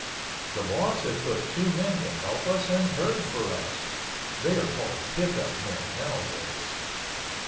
The boss had put two men to help us and herd for us (they are called pick up men nowadays).